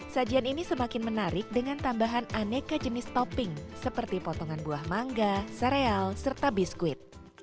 sajian ini semakin menarik dengan tambahan aneka jenis topping seperti potongan buah mangga sereal serta biskuit